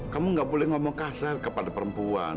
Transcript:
kamu gak boleh ngomong kasar kepada perempuan